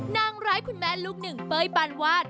นางร้ายคุณแม่ลูกหนึ่งเป้ยปานวาด